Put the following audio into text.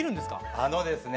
あのですね